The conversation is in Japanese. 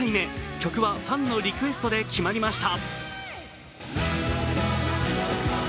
曲はファンのリクエストで決まりました。